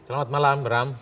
selamat malam bram